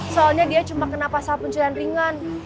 soalnya dia cuma kena pasal pencurian ringan